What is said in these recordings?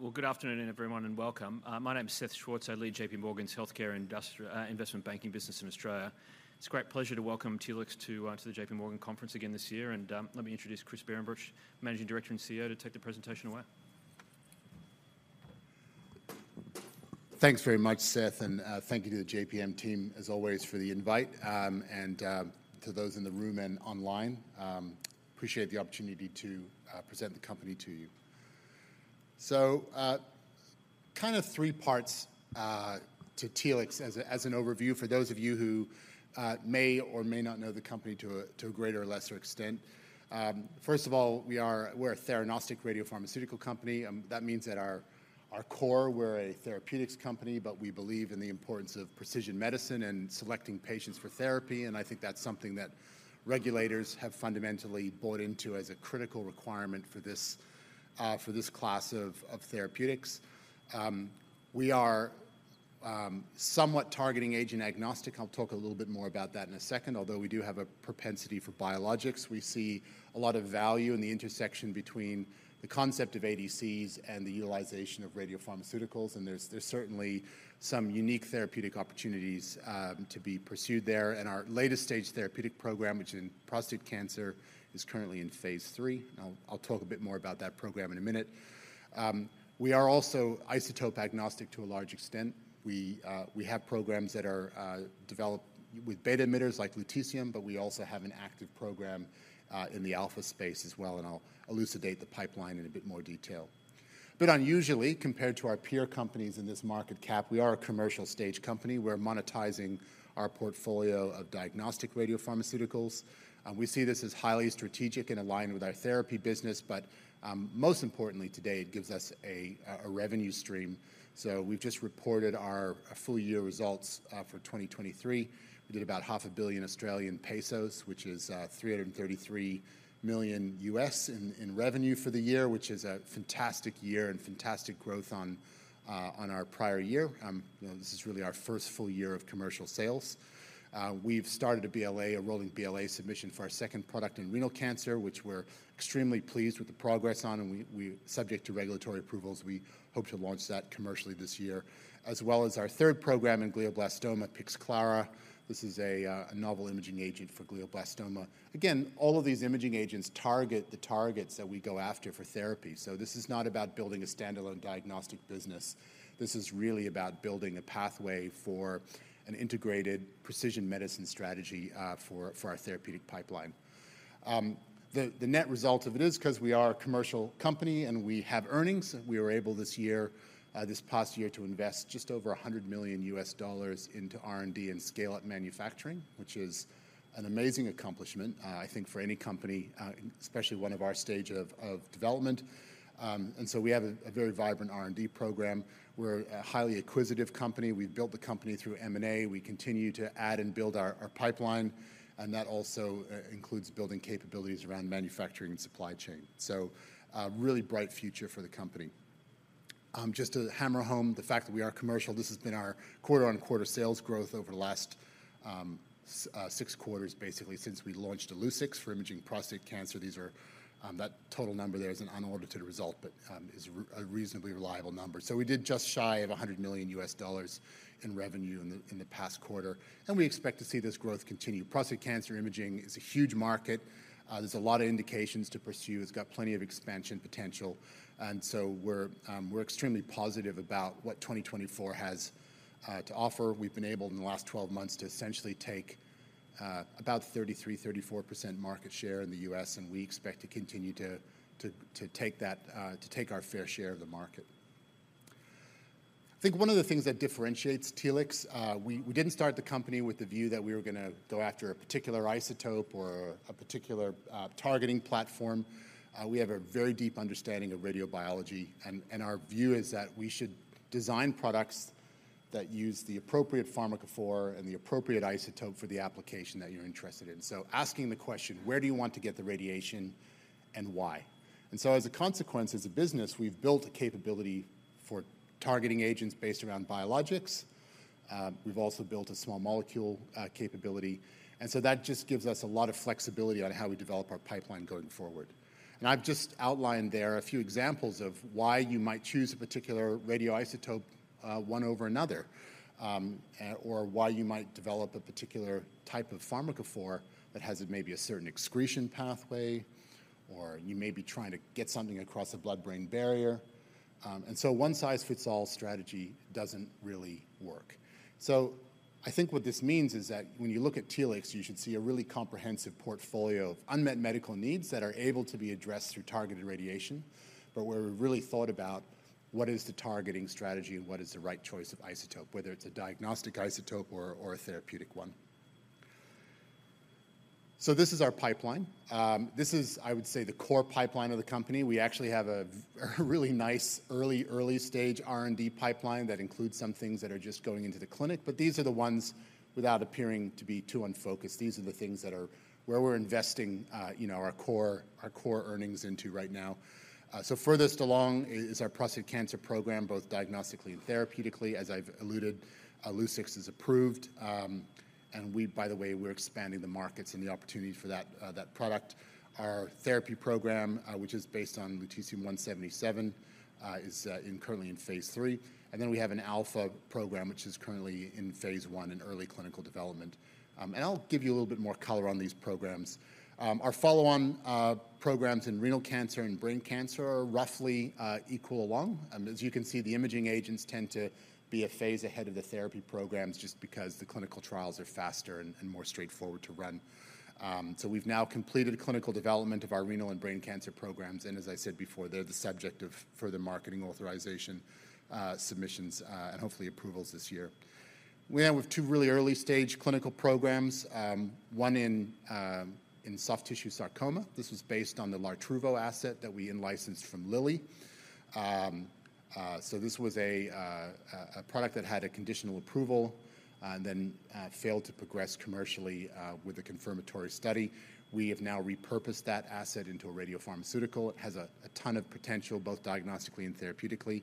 Well, good afternoon, everyone, and welcome. My name is Seth Schwartz. I lead JPMorgan's healthcare investment banking business in Australia. It's a great pleasure to welcome Telix to the JPMorgan conference again this year, and let me introduce Chris Behrenbruch, Managing Director and CEO, to take the presentation away. Thanks very much, Seth, and thank you to the JPM team, as always, for the invite, and to those in the room and online, appreciate the opportunity to present the company to you. So, kind of three parts to Telix as an overview for those of you who may or may not know the company to a greater or lesser extent. First of all, we're a theranostic radiopharmaceutical company, that means at our core, we're a therapeutics company, but we believe in the importance of precision medicine and selecting patients for therapy, and I think that's something that regulators have fundamentally bought into as a critical requirement for this class of therapeutics. We are somewhat targeting agent-agnostic. I'll talk a little bit more about that in a second. Although we do have a propensity for biologics. We see a lot of value in the intersection between the concept of ADCs and the utilization of radiopharmaceuticals, and there's certainly some unique therapeutic opportunities to be pursued there. Our latest stage therapeutic program, which in prostate cancer, is currently in phase III. I'll talk a bit more about that program in a minute. We are also isotope-agnostic to a large extent. We have programs that are developed with beta emitters like lutetium, but we also have an active program in the alpha space as well, and I'll elucidate the pipeline in a bit more detail. Unusually, compared to our peer companies in this market cap, we are a commercial stage company. We're monetizing our portfolio of diagnostic radiopharmaceuticals, and we see this as highly strategic and aligned with our therapy business. But most importantly, today, it gives us a revenue stream. So we've just reported our full year results for 2023. We did about AUD 500 million, which is $333 million in revenue for the year, which is a fantastic year and fantastic growth on our prior year. You know, this is really our first full year of commercial sales. We've started a BLA, a rolling BLA submission for our second product in renal cancer, which we're extremely pleased with the progress on, and we subject to regulatory approvals, we hope to launch that commercially this year, as well as our third program in glioblastoma, Pixclara. This is a novel imaging agent for glioblastoma. Again, all of these imaging agents target the targets that we go after for therapy. So this is not about building a standalone diagnostic business. This is really about building a pathway for an integrated precision medicine strategy for our therapeutic pipeline. The net result of it is 'cause we are a commercial company, and we have earnings, we were able this year, this past year to invest just over $100 million into R&D and scale up manufacturing, which is an amazing accomplishment, I think for any company, especially one of our stage of development. And so we have a very vibrant R&D program. We're a highly acquisitive company. We've built the company through M&A. We continue to add and build our pipeline, and that also includes building capabilities around manufacturing and supply chain. So a really bright future for the company. Just to hammer home the fact that we are commercial, this has been our quarter-on-quarter sales growth over the last six quarters, basically since we launched Illuccix for imaging prostate cancer. These are, that total number there is an unaudited result, but is a reasonably reliable number. So we did just shy of $100 million in revenue in the past quarter, and we expect to see this growth continue. Prostate cancer imaging is a huge market. There's a lot of indications to pursue. It's got plenty of expansion potential, and so we're extremely positive about what 2024 has to offer. We've been able, in the last twelve months, to essentially take about 33-34% market share in the U.S., and we expect to continue to take that to take our fair share of the market. I think one of the things that differentiates Telix, we didn't start the company with the view that we were gonna go after a particular isotope or a particular targeting platform. We have a very deep understanding of radiobiology, and our view is that we should design products that use the appropriate pharmacophore and the appropriate isotope for the application that you're interested in. So asking the question: Where do you want to get the radiation, and why? And so as a consequence, as a business, we've built a capability for targeting agents based around biologics. We've also built a small molecule capability, and so that just gives us a lot of flexibility on how we develop our pipeline going forward. And I've just outlined there a few examples of why you might choose a particular radioisotope, one over another, or why you might develop a particular type of pharmacophore that has maybe a certain excretion pathway, or you may be trying to get something across a blood-brain barrier. And so one-size-fits-all strategy doesn't really work. So I think what this means is that when you look at Telix, you should see a really comprehensive portfolio of unmet medical needs that are able to be addressed through targeted radiation. But where we've really thought about what is the targeting strategy and what is the right choice of isotope, whether it's a diagnostic isotope or a therapeutic one. So this is our pipeline. This is, I would say, the core pipeline of the company. We actually have a really nice early-stage R&D pipeline that includes some things that are just going into the clinic. But these are the ones, without appearing to be too unfocused, these are the things that are, where we're investing, you know, our core earnings into right now. So furthest along is our prostate cancer program, both diagnostically and therapeutically. As I've alluded, Illuccix is approved, and we, by the way, we're expanding the markets and the opportunity for that, that product. Our therapy program, which is based on lutetium-177, is currently in phase III. And then we have an alpha program, which is currently in phase I in early clinical development. I'll give you a little bit more color on these programs. Our follow-on programs in renal cancer and brain cancer are roughly equal along. As you can see, the imaging agents tend to be a phase ahead of the therapy programs just because the clinical trials are faster and more straightforward to run. We've now completed a clinical development of our renal and brain cancer programs, and as I said before, they're the subject of further marketing authorization submissions and hopefully approvals this year. We have two really early-stage clinical programs, one in soft tissue sarcoma. This was based on the Lartruvo asset that we in-licensed from Lilly. This was a product that had a conditional approval and then failed to progress commercially with a confirmatory study. We have now repurposed that asset into a radiopharmaceutical. It has a ton of potential, both diagnostically and therapeutically.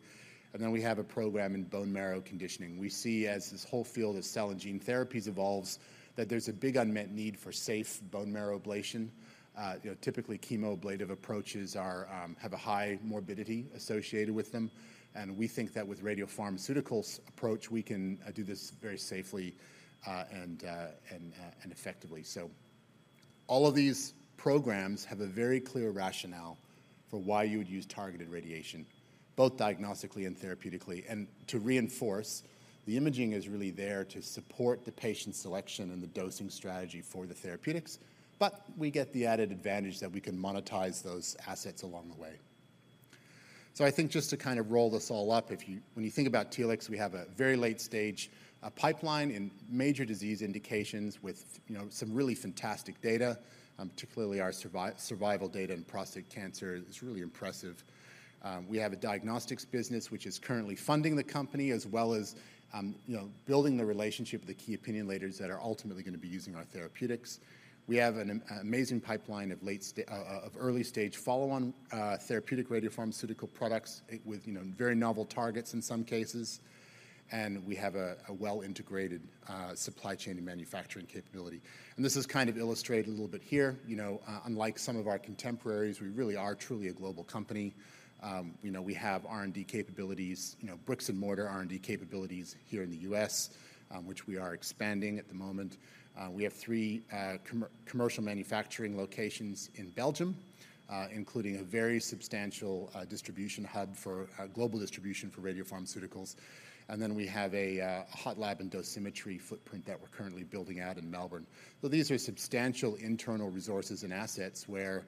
And then we have a program in bone marrow conditioning. We see as this whole field of cell and gene therapies evolves, that there's a big unmet need for safe bone marrow ablation. You know, typically, chemoablative approaches have a high morbidity associated with them, and we think that with radiopharmaceuticals approach, we can do this very safely and effectively. So all of these programs have a very clear rationale for why you would use targeted radiation, both diagnostically and therapeutically. And to reinforce, the imaging is really there to support the patient selection and the dosing strategy for the therapeutics, but we get the added advantage that we can monetize those assets along the way. So I think just to kind of roll this all up, when you think about Telix, we have a very late-stage pipeline in major disease indications with, you know, some really fantastic data, particularly our survival data in prostate cancer. It's really impressive. We have a diagnostics business, which is currently funding the company, as well as, you know, building the relationship with the key opinion leaders that are ultimately gonna be using our therapeutics. We have an amazing pipeline of early-stage follow-on therapeutic radiopharmaceutical products with, you know, very novel targets in some cases, and we have a well-integrated supply chain and manufacturing capability. And this is kind of illustrated a little bit here. You know, unlike some of our contemporaries, we really are truly a global company. You know, we have R&D capabilities, you know, bricks-and-mortar R&D capabilities here in the U.S., which we are expanding at the moment. We have three commercial manufacturing locations in Belgium, including a very substantial distribution hub for global distribution for radiopharmaceuticals. And then we have a hot lab and dosimetry footprint that we're currently building out in Melbourne. So these are substantial internal resources and assets where,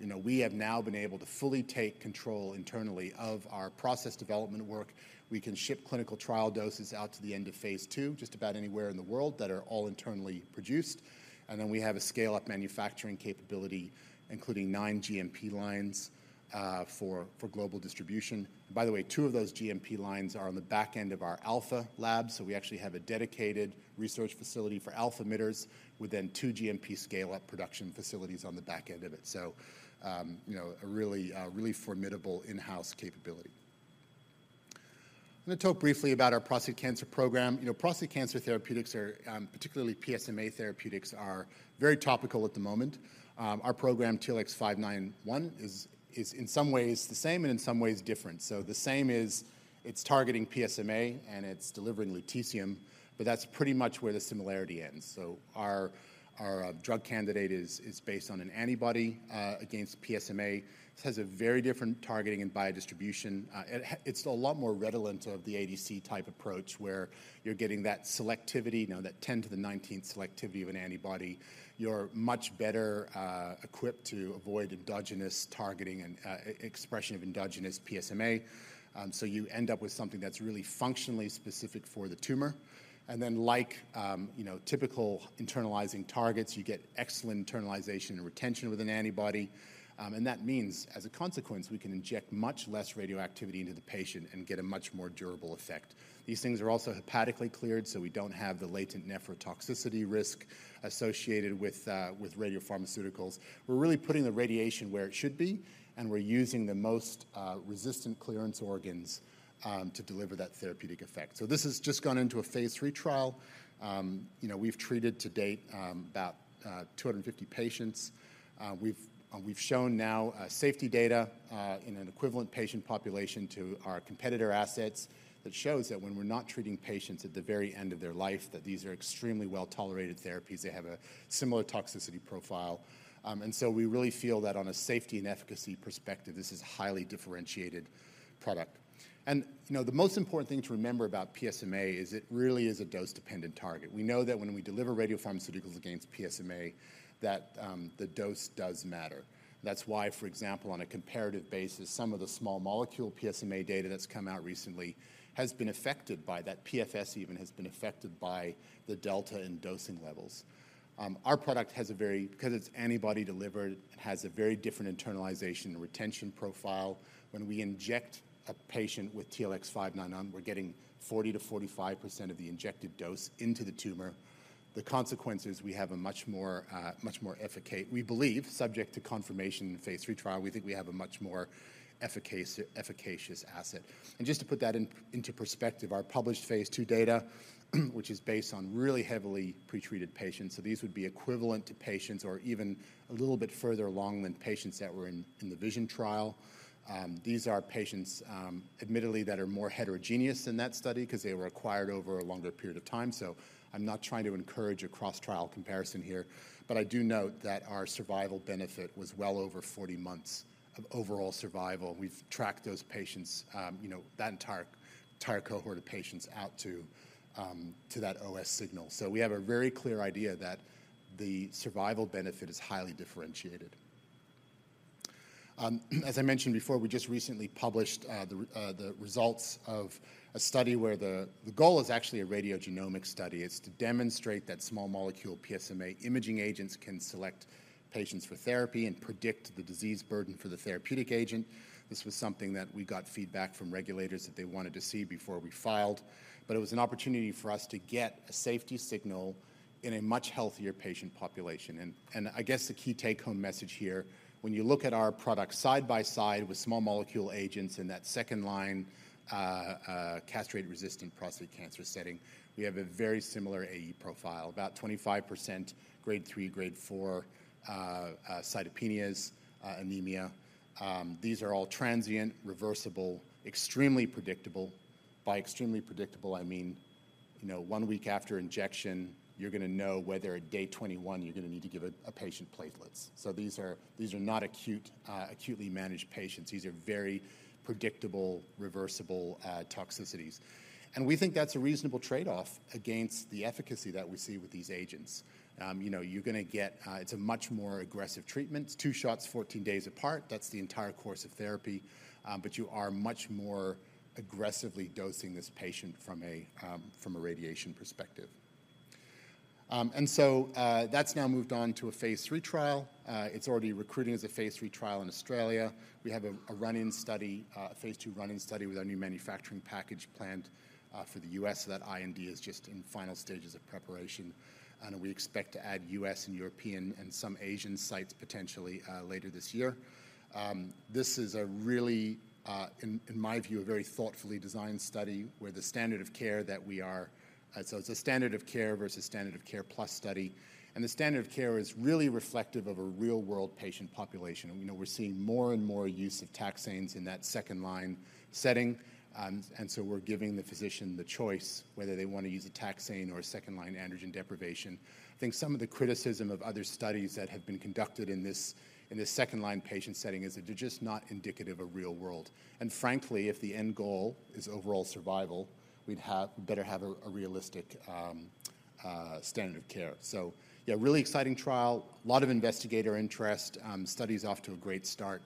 you know, we have now been able to fully take control internally of our process development work. We can ship clinical trial doses out to the end of phase II, just about anywhere in the world that are all internally produced. And then we have a scale-up manufacturing capability, including nine GMP lines, for global distribution. By the way, two of those GMP lines are on the back end of our alpha lab, so we actually have a dedicated research facility for alpha emitters within two GMP scale-up production facilities on the back end of it. So, you know, a really, really formidable in-house capability. I'm gonna talk briefly about our prostate cancer program. You know, prostate cancer therapeutics are, particularly PSMA therapeutics are very topical at the moment. Our program, TLX591, is in some ways the same and in some ways different. So the same is it's targeting PSMA, and it's delivering lutetium, but that's pretty much where the similarity ends. So our drug candidate is based on an antibody against PSMA. This has a very different targeting and biodistribution. It's a lot more redolent of the ADC-type approach, where you're getting that selectivity, you know, that 10 to the 19th selectivity of an antibody. You're much better equipped to avoid endogenous targeting and expression of endogenous PSMA, so you end up with something that's really functionally specific for the tumor. And then, like, you know, typical internalizing targets, you get excellent internalization and retention with an antibody. And that means, as a consequence, we can inject much less radioactivity into the patient and get a much more durable effect. These things are also hepatically cleared, so we don't have the latent nephrotoxicity risk associated with radiopharmaceuticals. We're really putting the radiation where it should be, and we're using the most resistant clearance organs to deliver that therapeutic effect. So this has just gone into a phase III trial. You know, we've treated to date about 250 patients. We've shown now safety data in an equivalent patient population to our competitor assets. That shows that when we're not treating patients at the very end of their life, that these are extremely well-tolerated therapies. They have a similar toxicity profile. And so we really feel that on a safety and efficacy perspective, this is a highly differentiated product. You know, the most important thing to remember about PSMA is it really is a dose-dependent target. We know that when we deliver radiopharmaceuticals against PSMA, that the dose does matter. That's why, for example, on a comparative basis, some of the small molecule PSMA data that's come out recently has been affected by that. PFS even has been affected by the delta in dosing levels. Our product has a very—because it's antibody-delivered, it has a very different internalization and retention profile. When we inject a patient with TLX591, we're getting 40%-45% of the injected dose into the tumor. The consequence is we have a much more, much more efficacious—we believe, subject to confirmation in the phase III trial, we think we have a much more efficacious asset. And just to put that into perspective, our published phase II data, which is based on really heavily pretreated patients, so these would be equivalent to patients or even a little bit further along than patients that were in the VISION trial. These are patients, admittedly, that are more heterogeneous than that study because they were acquired over a longer period of time. So I'm not trying to encourage a cross-trial comparison here, but I do note that our survival benefit was well over 40 months of overall survival. We've tracked those patients, you know, that entire cohort of patients out to that OS signal. So we have a very clear idea that the survival benefit is highly differentiated. As I mentioned before, we just recently published the results of a study where the goal is actually a radiogenomic study. It's to demonstrate that small-molecule PSMA imaging agents can select patients for therapy and predict the disease burden for the therapeutic agent. This was something that we got feedback from regulators that they wanted to see before we filed, but it was an opportunity for us to get a safety signal in a much healthier patient population. I guess the key take-home message here, when you look at our product side by side with small-molecule agents in that second-line, castration-resistant prostate cancer setting, we have a very similar AE profile, about 25% Grade 3, Grade 4 cytopenias, anemia. These are all transient, reversible, extremely predictable. By extremely predictable, I mean, you know, one week after injection, you're gonna know whether at day 21 you're gonna need to give a patient platelets. So these are not acute, acutely managed patients. These are very predictable, reversible toxicities. We think that's a reasonable trade-off against the efficacy that we see with these agents. You know, you're gonna get. It's a much more aggressive treatment. It's two shots, 14 days apart. That's the entire course of therapy, but you are much more aggressively dosing this patient from a, from a radiation perspective. So, that's now moved on to a phase III trial. It's already recruiting as a phase III trial in Australia. We have a, a run-in study, a phase II run-in study with our new manufacturing package planned, for the U.S. So that IND is just in final stages of preparation, and we expect to add U.S. and European and some Asian sites potentially, later this year. This is a really, in my view, a very thoughtfully designed study, so it's a standard of care versus standard of care plus study, and the standard of care is really reflective of a real-world patient population. And we know we're seeing more and more use of taxanes in that second-line setting, and so we're giving the physician the choice whether they want to use a taxane or a second-line androgen deprivation. I think some of the criticism of other studies that have been conducted in this second-line patient setting is that they're just not indicative of real-world. And frankly, if the end goal is overall survival, we'd better have a realistic standard of care. So yeah, really exciting trial, a lot of investigator interest. Study's off to a great start,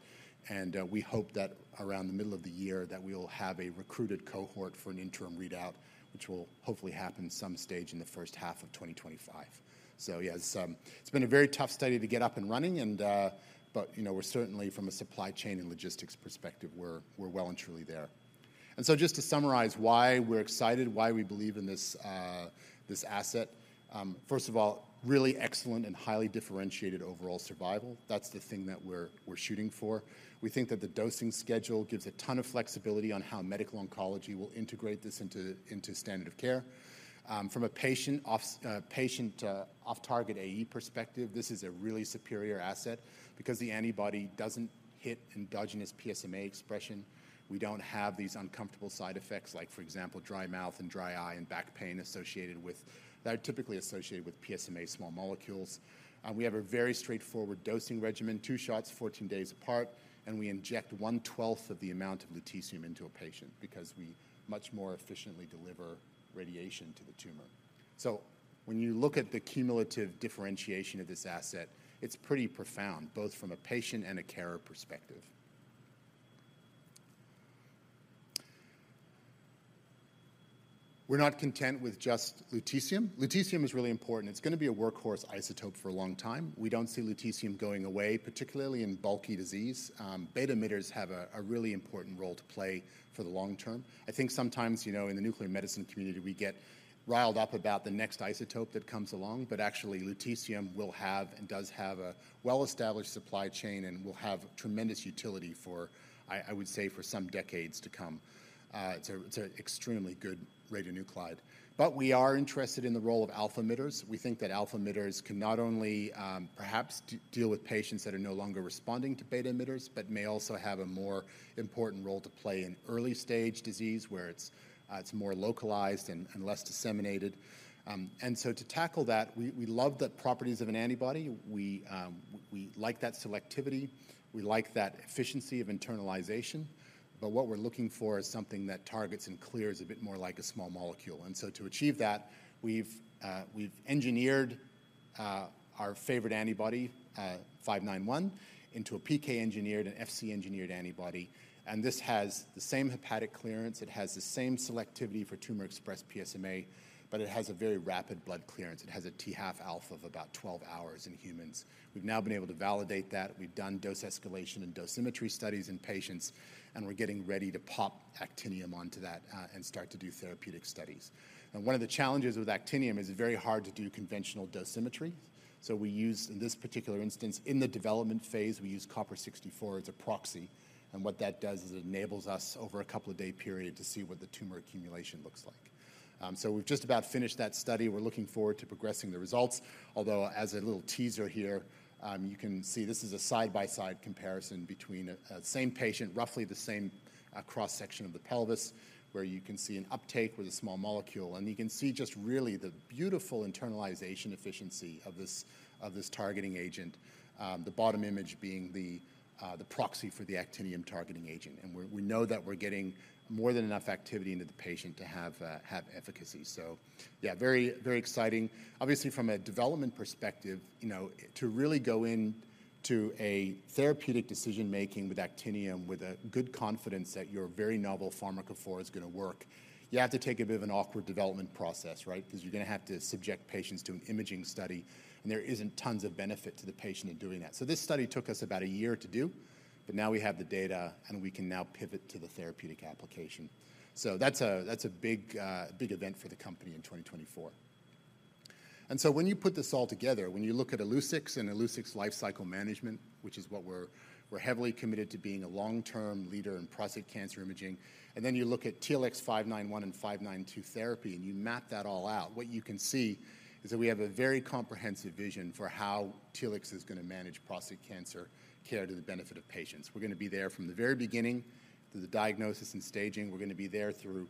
and we hope that around the middle of the year, that we will have a recruited cohort for an interim readout, which will hopefully happen at some stage in the first half of 2025. So yeah, it's been a very tough study to get up and running but you know, we're certainly from a supply chain and logistics perspective, we're well and truly there. And so just to summarize why we're excited, why we believe in this asset, first of all, really excellent and highly differentiated overall survival. That's the thing that we're shooting for. We think that the dosing schedule gives a ton of flexibility on how medical oncology will integrate this into standard of care. From a patient off-target AE perspective, this is a really superior asset because the antibody doesn't hit endogenous PSMA expression. We don't have these uncomfortable side effects, like, for example, dry mouth and dry eye and back pain associated with that are typically associated with PSMA small molecules. We have a very straightforward dosing regimen, two shots, 14 days apart, and we inject one-twelfth of the amount of lutetium into a patient because we much more efficiently deliver radiation to the tumor. So when you look at the cumulative differentiation of this asset, it's pretty profound, both from a patient and a carer perspective. We're not content with just lutetium. Lutetium is really important. It's gonna be a workhorse isotope for a long time. We don't see lutetium going away, particularly in bulky disease. Beta emitters have a really important role to play for the long term. I think sometimes, you know, in the nuclear medicine community, we get riled up about the next isotope that comes along, but actually, lutetium will have and does have a well-established supply chain and will have tremendous utility for, I would say, for some decades to come. It's an extremely good radionuclide. But we are interested in the role of alpha emitters. We think that alpha emitters can not only, perhaps deal with patients that are no longer responding to beta emitters, but may also have a more important role to play in early-stage disease, where it's more localized and less disseminated. And so to tackle that, we love the properties of an antibody. We like that selectivity, we like that efficiency of internalization, but what we're looking for is something that targets and clears a bit more like a small molecule. And so to achieve that, we've engineered our favorite antibody, 591, into a PK-engineered and Fc-engineered antibody, and this has the same hepatic clearance, it has the same selectivity for tumor-expressed PSMA, but it has a very rapid blood clearance. It has a t-half alpha of about 12 hours in humans. We've now been able to validate that. We've done dose escalation and dosimetry studies in patients, and we're getting ready to pop actinium onto that, and start to do therapeutic studies. One of the challenges with actinium is it's very hard to do conventional dosimetry, so we use, in this particular instance, in the development phase, we use copper-64 as a proxy, and what that does is it enables us over a couple of day period to see what the tumor accumulation looks like. So we've just about finished that study. We're looking forward to progressing the results, although as a little teaser here, you can see this is a side-by-side comparison between the same patient, roughly the same cross-section of the pelvis, where you can see an uptake with a small molecule. And you can see just really the beautiful internalization efficiency of this targeting agent, the bottom image being the proxy for the actinium targeting agent. And we know that we're getting more than enough activity into the patient to have efficacy. So yeah, very, very exciting. Obviously, from a development perspective, you know, to really go in to a therapeutic decision-making with actinium, with a good confidence that your very novel pharmacophore is going to work, you have to take a bit of an awkward development process, right? Because you're going to have to subject patients to an imaging study, and there isn't tons of benefit to the patient in doing that. So this study took us about a year to do, but now we have the data, and we can now pivot to the therapeutic application. So that's a big event for the company in 2024. So when you put this all together, when you look at Illuccix and Illuccix Life Cycle Management, which is what we're heavily committed to being a long-term leader in prostate cancer imaging, and then you look at TLX591 and TLX592 therapy, and you map that all out, what you can see is that we have a very comprehensive vision for how TLX is going to manage prostate cancer care to the benefit of patients. We're going to be there from the very beginning, through the diagnosis and staging. We're going to be there through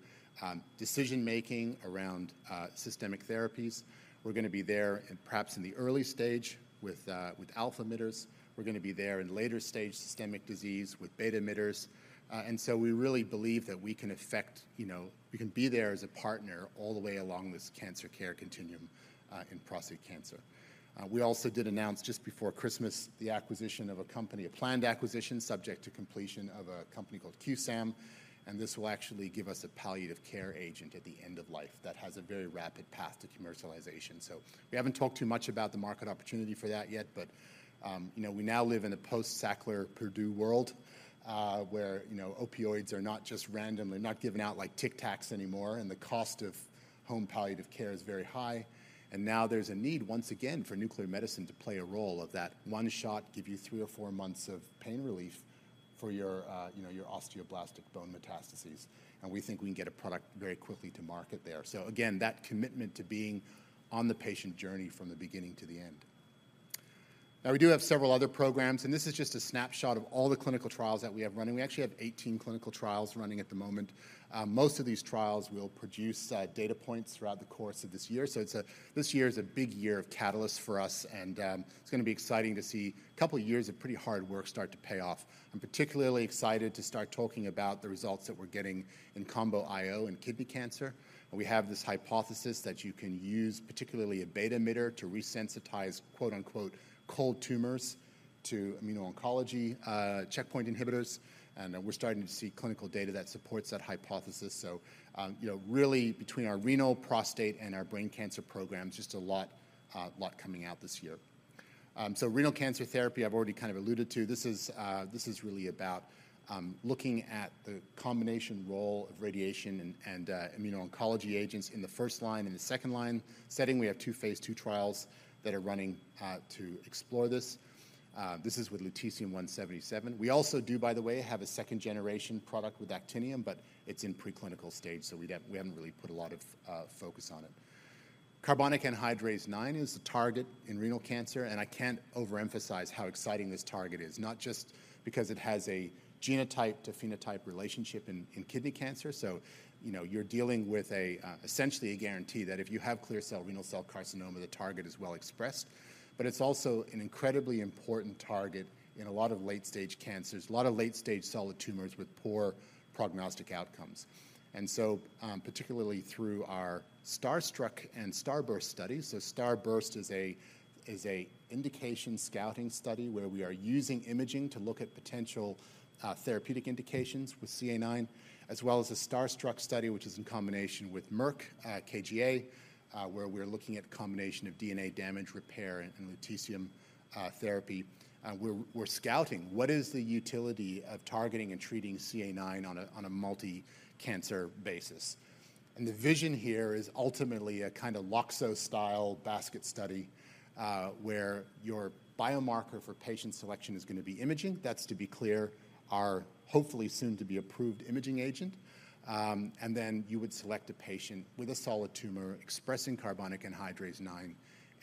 decision making around systemic therapies. We're going to be there and perhaps in the early stage with alpha emitters. We're going to be there in later stage systemic disease with beta emitters. And so we really believe that we can affect -- you know, we can be there as a partner all the way along this cancer care continuum, in prostate cancer. We also did announce just before Christmas, the acquisition of a company, a planned acquisition, subject to completion of a company called QSAM, and this will actually give us a palliative care agent at the end of life that has a very rapid path to commercialization. So we haven't talked too much about the market opportunity for that yet, but, you know, we now live in a post-Sackler Purdue world, where, you know, opioids are not just random. They're not given out like Tic Tacs anymore, and the cost of home palliative care is very high. Now there's a need, once again, for nuclear medicine to play a role of that one shot, give you three or four months of pain relief for your, you know, your osteoblastic bone metastases. We think we can get a product very quickly to market there. So again, that commitment to being on the patient journey from the beginning to the end. Now, we do have several other programs, and this is just a snapshot of all the clinical trials that we have running. We actually have 18 clinical trials running at the moment. Most of these trials will produce data points throughout the course of this year. So this year is a big year of catalyst for us, and it's going to be exciting to see a couple of years of pretty hard work start to pay off. I'm particularly excited to start talking about the results that we're getting in combo IO and kidney cancer. We have this hypothesis that you can use, particularly a beta emitter, to resensitize quote-unquote "cold tumors" to immuno-oncology checkpoint inhibitors, and we're starting to see clinical data that supports that hypothesis. So, you know, really between our renal, prostate, and our brain cancer programs, just a lot, lot coming out this year. So renal cancer therapy, I've already kind of alluded to. This is really about looking at the combination role of radiation and immuno-oncology agents in the first line and the second line setting. We have two phase two trials that are running to explore this. This is with lutetium-177. We also do, by the way, have a second-generation product with actinium, but it's in preclinical stage, so we don't, we haven't really put a lot of focus on it. Carbonic anhydrase IX is a target in renal cancer, and I can't overemphasize how exciting this target is, not just because it has a genotype to phenotype relationship in kidney cancer. So you know, you're dealing with a essentially a guarantee that if you have clear cell renal cell carcinoma, the target is well expressed. But it's also an incredibly important target in a lot of late-stage cancers, a lot of late-stage solid tumors with poor prognostic outcomes. And so, particularly through our Starstruck and Starburst studies. Starburst is an indication scouting study, where we are using imaging to look at potential therapeutic indications with CAIX, as well as a Starstruck study, which is in combination with Merck KGaA, where we're looking at combination of DNA damage repair and lutetium therapy. We're scouting what is the utility of targeting and treating CAIX on a multi-cancer basis? The vision here is ultimately a kind of Pluvicto-style basket study, where your biomarker for patient selection is going to be imaging. That's, to be clear, our hopefully soon to be approved imaging agent. Then you would select a patient with a solid tumor expressing carbonic anhydrase IX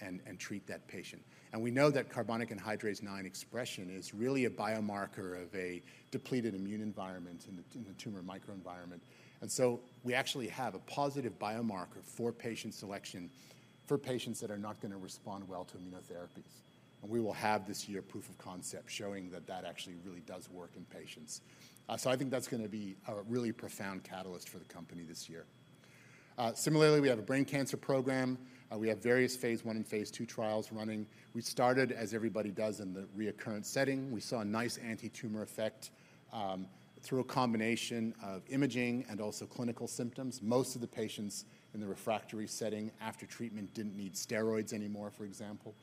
and treat that patient. We know that carbonic anhydrase IX expression is really a biomarker of a depleted immune environment in the tumor microenvironment. And so we actually have a positive biomarker for patient selection for patients that are not going to respond well to immunotherapies. And we will have this year proof of concept showing that that actually really does work in patients. So I think that's going to be a really profound catalyst for the company this year. Similarly, we have a brain cancer program. We have various phase I and phase II trials running. We started, as everybody does, in the recurrence setting. We saw a nice anti-tumor effect through a combination of imaging and also clinical symptoms. Most of the patients in the refractory setting after treatment didn't need steroids anymore for example.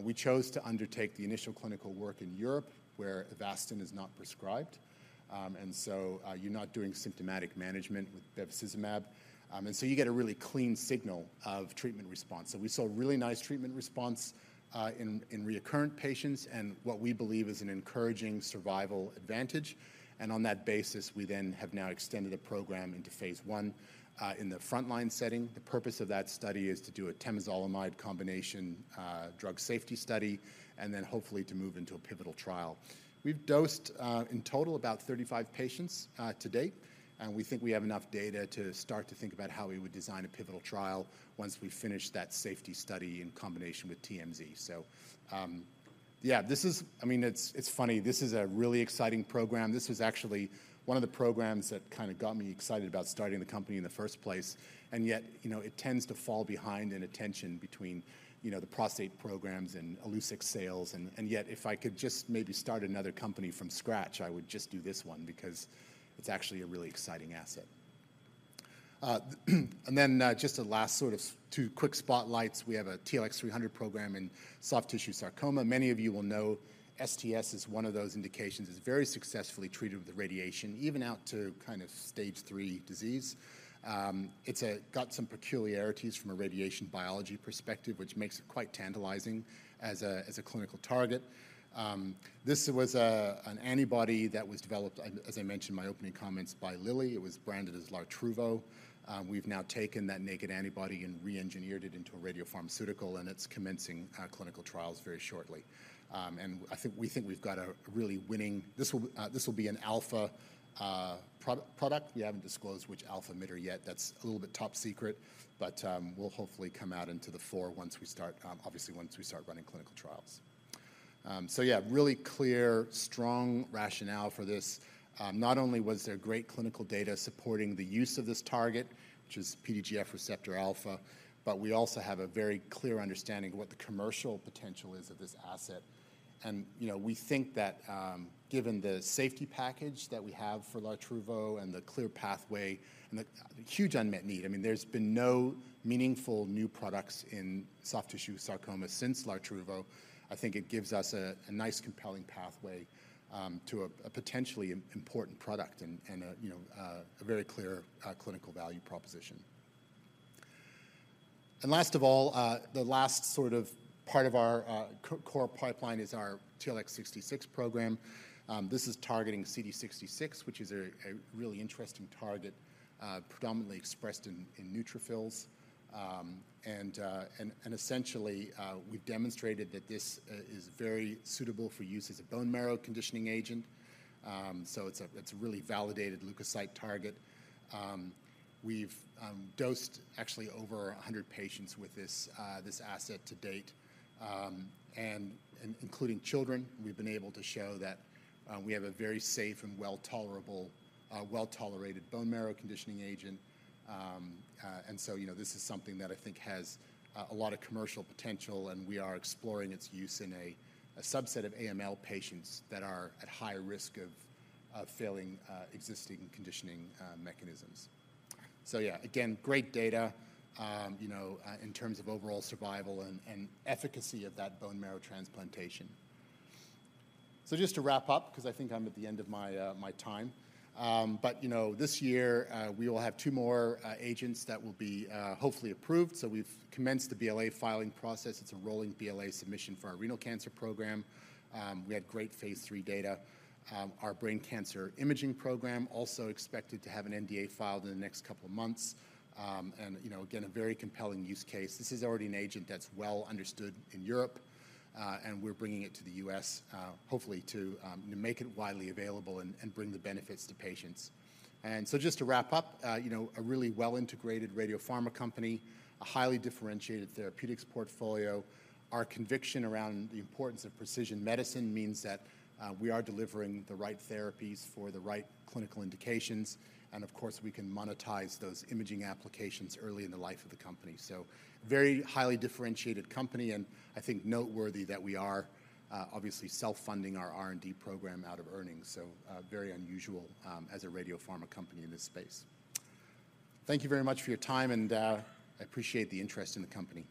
We chose to undertake the initial clinical work in Europe, where Avastin is not prescribed. And so, you're not doing symptomatic management with bevacizumab, and so you get a really clean signal of treatment response. So we saw a really nice treatment response in recurrence patients and what we believe is an encouraging survival advantage. And on that basis, we then have now extended the program into phase one in the frontline setting. The purpose of that study is to do a temozolomide combination drug safety study, and then hopefully to move into a pivotal trial. We've dosed in total about 35 patients to date, and we think we have enough data to start to think about how we would design a pivotal trial once we finish that safety study in combination with TMZ. So, yeah, this is, I mean, it's, it's funny. This is a really exciting program. This is actually one of the programs that kinda got me excited about starting the company in the first place, and yet, you know, it tends to fall behind in attention between, you know, the prostate programs and Illuccix sales. And, and yet, if I could just maybe start another company from scratch, I would just do this one because it's actually a really exciting asset. And then, just a last sort of two quick spotlights. We have a TLX300 program in soft tissue sarcoma. Many of you will know STS is one of those indications that's very successfully treated with the radiation, even out to kind of Stage III disease. It's got some peculiarities from a radiation biology perspective, which makes it quite tantalizing as a clinical target. This was an antibody that was developed, as I mentioned in my opening comments, by Lilly. It was branded as Lartruvo. We've now taken that naked antibody and re-engineered it into a radiopharmaceutical, and it's commencing clinical trials very shortly. And I think we think we've got a really winning... This will be an alpha product. We haven't disclosed which alpha emitter yet. That's a little bit top secret, but we'll hopefully come out into the fore once we start, obviously, once we start running clinical trials. So yeah, really clear, strong rationale for this. Not only was there great clinical data supporting the use of this target, which is PDGF receptor alpha, but we also have a very clear understanding of what the commercial potential is of this asset. And, you know, we think that, given the safety package that we have for Lartruvo and the clear pathway and the huge unmet need, I mean, there's been no meaningful new products in soft tissue sarcoma since Lartruvo. I think it gives us a nice, compelling pathway to a potentially important product and a, you know, a very clear clinical value proposition. And last of all, the last sort of part of our core pipeline is our TLX66 program. This is targeting CD66, which is a really interesting target, predominantly expressed in neutrophils. And essentially, we've demonstrated that this is very suitable for use as a bone marrow conditioning agent. So it's a really validated leukocyte target. We've dosed actually over 100 patients with this asset to date, and including children. We've been able to show that we have a very safe and well-tolerated bone marrow conditioning agent. And so, you know, this is something that I think has a lot of commercial potential, and we are exploring its use in a subset of AML patients that are at higher risk of failing existing conditioning mechanisms. So yeah, again, great data, you know, in terms of overall survival and efficacy of that bone marrow transplantation. So just to wrap up, 'cause I think I'm at the end of my time, but, you know, this year we will have two more agents that will be hopefully approved. So we've commenced the BLA filing process. It's a rolling BLA submission for our renal cancer program. We had great Phase III data. Our brain cancer imaging program also expected to have an NDA filed in the next couple of months. And, you know, again, a very compelling use case. This is already an agent that's well understood in Europe, and we're bringing it to the U.S., hopefully to make it widely available and bring the benefits to patients. And so just to wrap up, you know, a really well-integrated radiopharma company, a highly differentiated therapeutics portfolio. Our conviction around the importance of precision medicine means that, we are delivering the right therapies for the right clinical indications, and of course, we can monetize those imaging applications early in the life of the company. So, very highly differentiated company, and I think noteworthy that we are obviously self-funding our R&D program out of earnings, so very unusual as a radiopharma company in this space. Thank you very much for your time, and I appreciate the interest in the company.